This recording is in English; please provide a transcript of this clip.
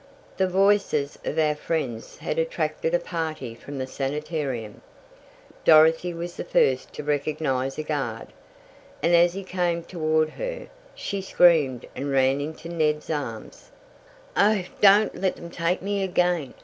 The voices of our friends had attracted a party from the sanitarium. Dorothy was the first to recognize a guard, and as he came toward her, she screamed and ran into Ned's arms. "Oh, don't let them take me again!"